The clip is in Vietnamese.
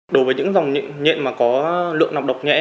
đối với những dòng nhẹ mà có lượng nọc độc nhẹ